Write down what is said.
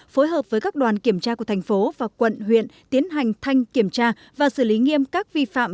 phối hợp với các đoàn kiểm tra của thành phố và quận huyện tiến hành thanh kiểm tra và xử lý nghiêm các vi phạm